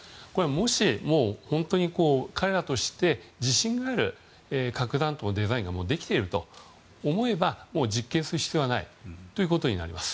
もしも本当に彼らとして自信がある核弾頭のデザインがもうできていると思えばもう実験する必要はないということになります。